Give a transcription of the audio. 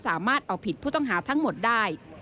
สามารถเอาผิดผู้ต้องหาทั้งหมดได้